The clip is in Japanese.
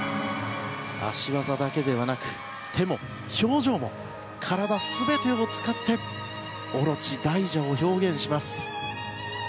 脚技だけではなく手も、表情も体全てを使ってオロチ、大蛇を表現します。